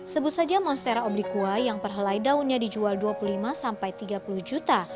sebut saja monstera oblikua yang perhelai daunnya dijual dua puluh lima sampai tiga puluh juta